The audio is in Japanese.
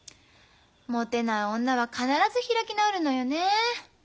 もてない女は必ず開き直るのよね。